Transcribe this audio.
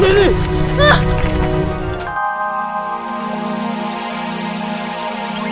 tidak ada bulannya